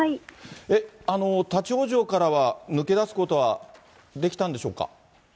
立往生からは抜け出すことはできたんでしょうか。